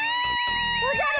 おじゃる！